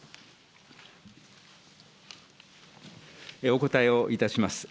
お答えをいたします。